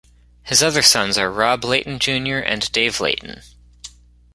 His other sons are Rob Layton Junior and Dave Layton.